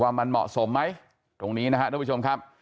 ว่ามันเหมาะสมไหมตรงนี้นะครับทุกผู้ชมครับ